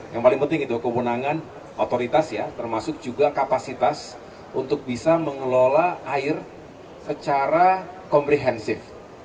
yang paling penting itu kewenangan otoritas ya termasuk juga kapasitas untuk bisa mengelola air secara komprehensif